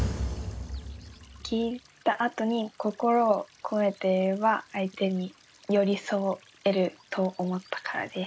聞いたあとに心をこめて言えば相手に寄り添えると思ったからです。